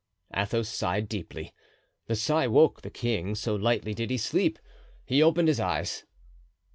Athos sighed deeply; the sigh woke the king, so lightly did he sleep. He opened his eyes.